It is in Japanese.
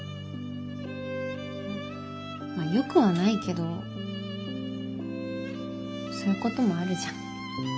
まあよくはないけどそういうこともあるじゃん。